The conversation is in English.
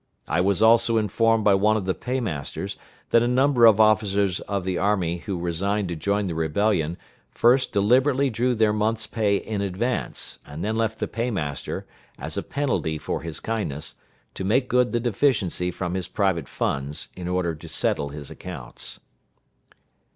I was also informed by one of the pay masters that a number of officers of the army who resigned to join the rebellion first deliberately drew their month's pay in advance, and then left the pay master, as a penalty for his kindness, to make good the deficiency from his private funds, in order to settle his accounts.